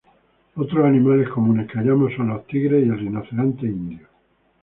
Otros animales comunes que hallamos son los tigres y el rinoceronte indio.